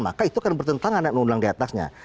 maka itu akan bertentangan dengan undang diatasnya